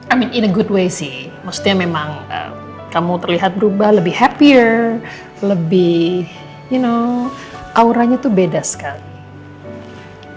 i mean in a good way sih maksudnya memang kamu terlihat berubah lebih happier lebih you know auranya tuh beda sekali